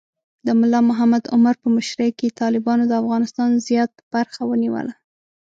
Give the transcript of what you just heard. د ملا محمد عمر په مشرۍ کې طالبانو د افغانستان زیات برخه ونیوله.